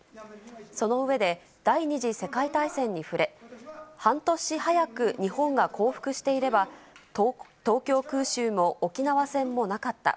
その上で、第２次世界大戦に触れ、半年早く日本が降伏していれば、東京空襲も沖縄戦もなかった。